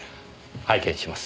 拝見します。